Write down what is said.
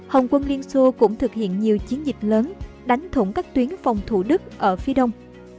hồng quân liên xô cũng thực hiện nhiều chiến dịch lớn đánh thủng các tuyến phòng thủ đức ở phía đông